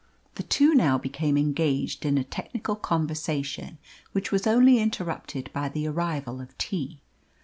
The two now became engaged in a technical conversation, which was only interrupted by the arrival of tea.